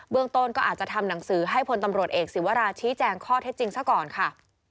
เรื่องต้นก็อาจจะทำหนังสือให้พลตำรวจเอกศิวราชี้แจงข้อเท็จจริงซะก่อนค่ะ